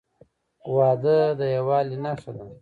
• واده د یووالي نښه ده.